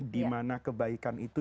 dimana kebaikan itu